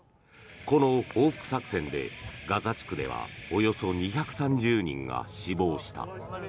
この報復作戦でガザ地区ではおよそ２３０人が死亡した。